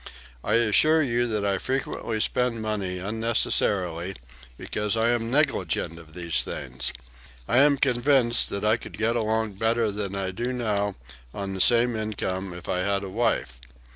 I assure you that I frequently spend money unnecessarily because I am negligent of these things. I am convinced that I could get along better than I do now on the same income if I had a wife.